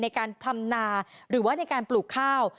ในการทำนาหรือว่าในการปลูกข้าว